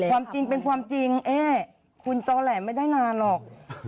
ความจริงเป็นความจริงเอ๊คุณจอแหลมไม่ได้นานหรอก